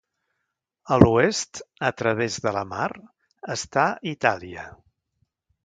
A l'oest, a través de la mar, està Itàlia.